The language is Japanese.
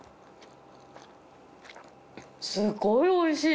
すごい美味しい。